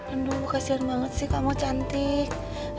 aduh kasian banget sih kamu cantik